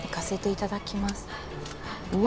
いただきます！